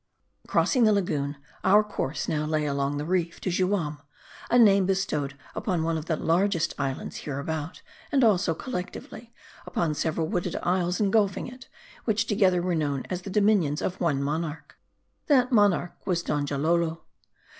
. CROSSING the lagoon, our Course now lay along the reef to Juam ; a name bestowed upon one of the largest islands hereabout ; and also, collectively, upon several wooded isles engirdling it, which together were known as the dominions of one monarch. That monarch was Donjalolo.